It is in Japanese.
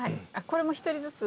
これも一人ずつ？